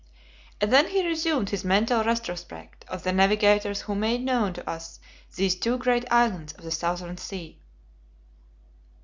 And then he resumed his mental retrospect of the navigators who made known to us these two great islands of the Southern Sea.